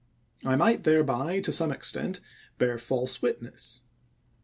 I might thereby, to some extent, bear false witness.